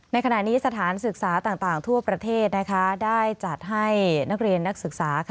ในขณะนี้สถานศึกษาต่างทั่วประเทศได้จัดให้นักเรียนนักศึกษา